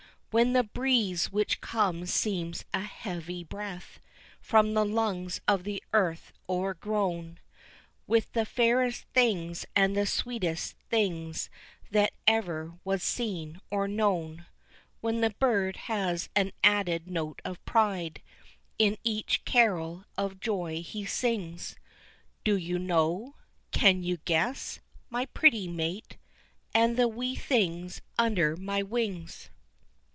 When the breeze which comes seems a heavy breath, From the lungs of the earth o'ergrown With the fairest things, and the sweetest things That ever was seen, or known, When the bird has an added note of pride In each carol of joy he sings, _Do you know? can you guess? my pretty mate, And the wee things under my wings!